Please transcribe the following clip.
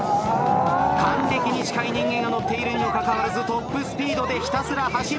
還暦に近い人間が乗っているにもかかわらずトップスピードでひたすら走るバナナボート。